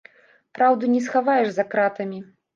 Праўду не схаваеш за кратамі!